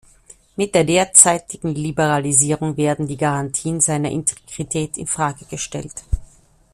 Mit der derzeitigen Liberalisierung werden die Garantien seiner Integrität in Frage gestellt.